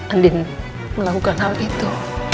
andin melakukan hal itu